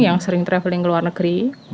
yang sering traveling ke luar negeri